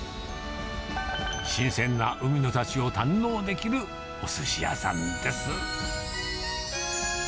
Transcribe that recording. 新鮮な海の幸を堪能できるおすし屋さんです。